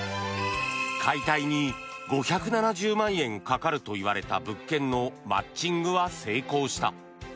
解体に５７０万円かかるといわれた物件のマッチングは成功した。